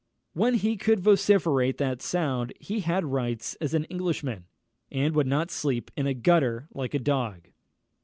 While he could vociferate that sound, he had rights as an Englishman, and would not sleep in a gutter, like a dog!